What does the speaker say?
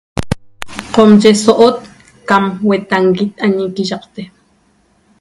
Qomyi so'ot cam huetanguit añi iquiyaqte